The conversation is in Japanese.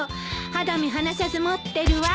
肌身離さず持ってるわ。